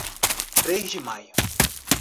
Três de Maio